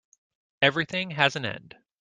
Everything has an end.